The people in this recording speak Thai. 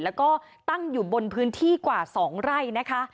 แล้วก็ตั้งอยู่บนพื้นที่กว่า๒ไร่นะคะ